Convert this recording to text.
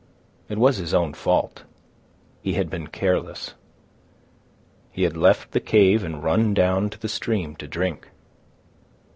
It was his own fault. He had been careless. He had left the cave and run down to the stream to drink.